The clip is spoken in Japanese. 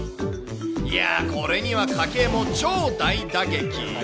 いやー、これには家計も超大打撃。